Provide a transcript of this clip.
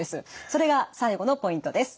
それが最後のポイントです。